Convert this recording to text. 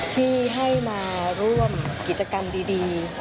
ที่ให้มาร่วมกิจกรรมดี